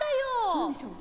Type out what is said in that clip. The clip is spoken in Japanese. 何でしょう？